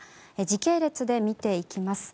時系列で見ていきます。